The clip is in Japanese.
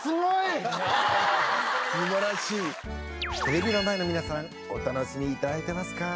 テレビの前の皆さんお楽しみいただいてますか？